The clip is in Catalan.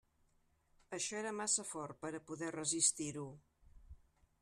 Això era massa fort per a poder resistir-ho.